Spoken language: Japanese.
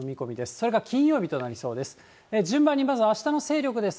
それが金曜日となりそうです。